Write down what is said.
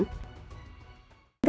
hẹn gặp lại